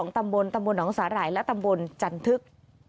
ตำบลตำบลหนองสาหร่ายและตำบลจันทึก